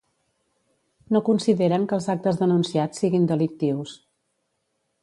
No consideren que els actes denunciats siguin delictius.